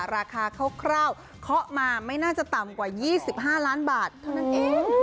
ราคาคร่าวเคาะมาไม่น่าจะต่ำกว่า๒๕ล้านบาทเท่านั้นเอง